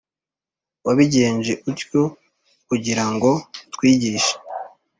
Wabigenje utyo kugira ngo utwigishe,